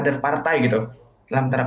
seperti itu sih mbak